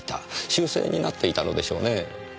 習性になっていたのでしょうねぇ。